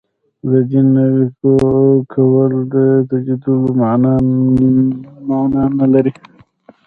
د دین نوی کول د تجدیدولو معنا نه لري.